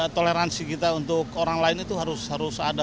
toleransi kita untuk orang lain itu harus ada